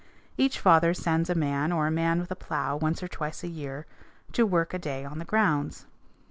Each father sends a man or a man with a plow once or twice a year to work a day on the grounds.